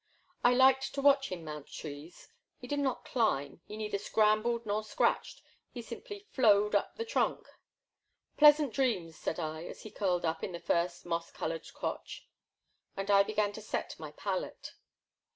I liked to watch him mount trees. He did not climb, he neither scrambled nor scratched, he simply flowed up the trunk. Pleasant dreams, said I, as he curled up in the first moss covered crotch; and I began to set my palette.